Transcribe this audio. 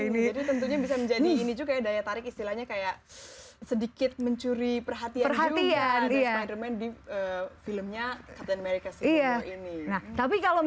jadi tentunya bisa menjadi ini juga daya tarik istilahnya kayak sedikit mencuri perhatian juga dari spiderman di filmnya captain america civil war ini